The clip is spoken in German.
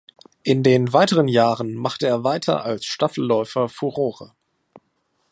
In den weiteren Jahren machte er weiter als Staffelläufer Furore.